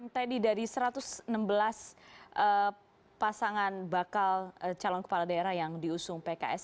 tadi dari satu ratus enam belas pasangan bakal calon kepala daerah yang diusung pks